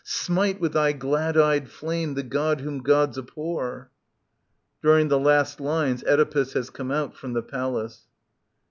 Smite with thy glad eyed flame the God whom Gods abhor. [During the last lines Oedipus has come out from the Palace.